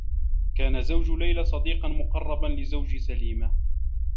كان زوج ليلى صديقا مقرّبا لزوج سليمة.